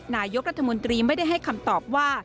นายกรัฐมนตรีไม่ได้ให้คำตอบว่า